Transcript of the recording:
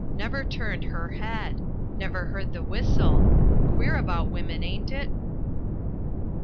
Never turned her head. Never heard the whistle. Queer about women, ain't it?"